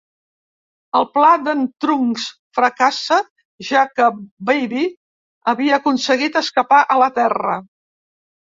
El pla d'en Trunks fracassa ja que la Baby havia aconseguit escapar a la Terra.